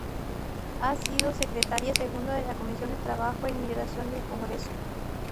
Ha sido secretaria segunda de la Comisión de Trabajo e Inmigración del Congreso.